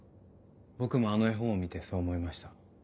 僕もあの絵本を見てそう思いました。